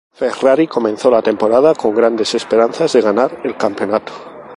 Ferrari comenzó la temporada con grandes esperanzas de ganar el campeonato.